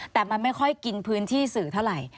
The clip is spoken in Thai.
แต่มันไม่ค่อยกินพื้นที่สื่อเท่าไหร่